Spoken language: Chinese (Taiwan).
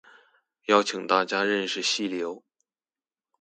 邀請大家認識溪流